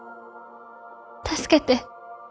助けて。